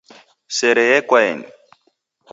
Sere yekwaeni